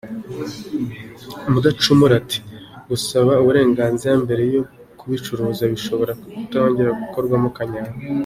Mudacumura ati : “Gusaba uburenganzira mbere yo kubicuruza bishobora gutuma bitongera gukorwa mo kanyanga.